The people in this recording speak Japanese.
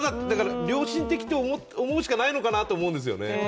良心的と思うしかないと思うんですよね。